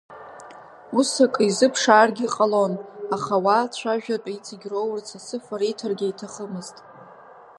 Ус акы изыԥшааргьы ҟалон, аха ауаа ацәажәатә иҵегь роурц ацыфа риҭаргьы иҭахымызт.